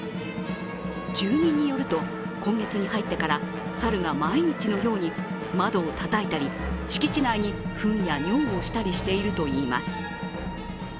住人によると、今月に入ってからサルが毎日のように窓をたたいたり、敷地内にふんや尿をしたりしているといいます。